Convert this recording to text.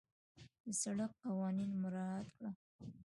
د سړک قوانين مراعت کړه.